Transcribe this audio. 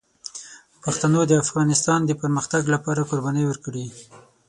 پښتنو د افغانستان د پرمختګ لپاره قربانۍ ورکړي.